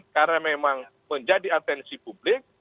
karena memang menjadi atensi publik